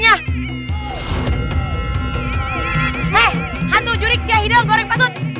waduh hantu jurik siahidang goreng patut